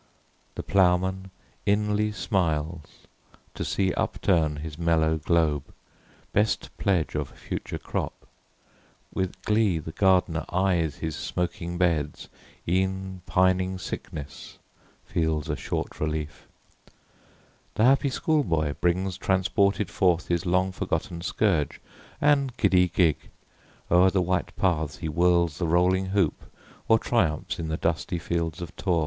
The ploughman inly smiles to see upturn His mellow globe, best pledge of future crop: With glee the gardener eyes his smoking beds; E'en pining sickness feels a short relief The happy schoolboy brings transported forth His long forgotten scourge, and giddy gig: O'er the white paths he whirls the rolling hoop, Or triumphs in the dusty fields of taw.